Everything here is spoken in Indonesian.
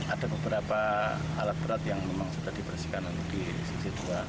ada beberapa alat berat yang memang sudah dibersihkan nanti di sisi dua